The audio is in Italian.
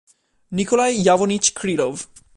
Nikolaj Ivanovič Krylov